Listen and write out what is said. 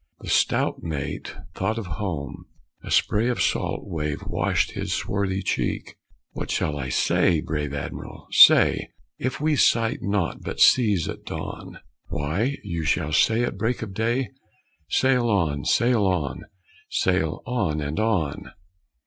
The stout mate thought of home; a spray Of salt wave washed his swarthy cheek. "What shall I say, brave Adm'r'l, say, If we sight naught but seas at dawn?" "Why, you shall say at break of day: 'Sail on! sail on! sail on! and on!'"